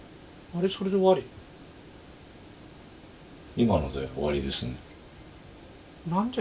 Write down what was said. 今ので終わりですね。